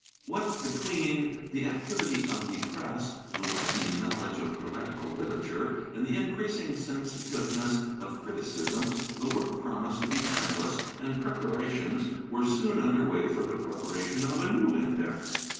^ What between the activity of the press, the widening knowledge of heretical literature, and the increasing sensitiveness of criticism, the work promised to be endless and preparations were soon under way for the preparation of a new Index.